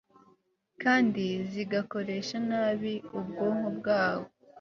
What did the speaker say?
kandi zigakoresha nabi ubwonko bwabo